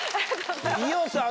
伊代さん